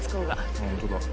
本当だ。